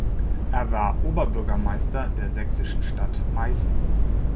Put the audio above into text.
Er war Oberbürgermeister der sächsischen Stadt Meißen.